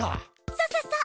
そうそうそう。